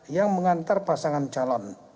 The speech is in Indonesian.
yang mengantar pasangan calon